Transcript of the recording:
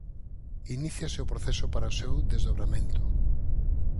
Iníciase o proceso para o seu desdobramento.